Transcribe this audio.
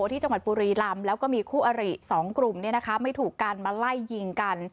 ที่จังหวัดบุรีลำแล้วก็มีคู่อริ๒กลุ่มไม่ถูกกันมาไล่ยิงกัน